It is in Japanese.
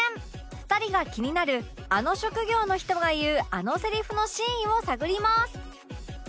２人が気になるあの職業の人が言うあのセリフの真意を探ります！